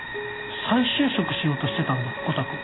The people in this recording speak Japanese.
再就職しようとしてたんだコタくん。